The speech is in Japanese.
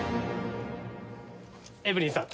エブリンさん。